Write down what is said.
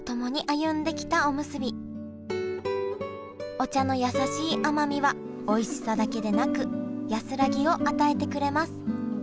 お茶のやさしい甘みはおいしさだけでなく安らぎを与えてくれます